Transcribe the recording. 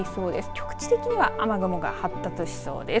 各地的には雨雲が発達しそうです。